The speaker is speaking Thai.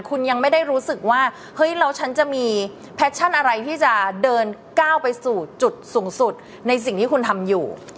คุณยังไม่ได้รู้สึกว่าเฮ้ยแล้วฉันจะมีแพชชั่นอะไรที่จะเดินก้าวไปสู่จุดสูงสุดในสิ่งที่คุณทำอยู่